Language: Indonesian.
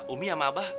umi sama abah